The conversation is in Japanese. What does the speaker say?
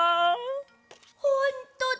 ほんとだ！